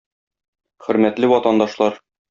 Хөрмәтле ватандашлар!